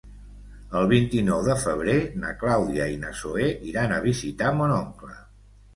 El vint-i-nou de febrer na Clàudia i na Zoè iran a visitar mon oncle.